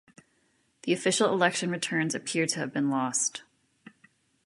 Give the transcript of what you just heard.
The official election returns appear to have been lost.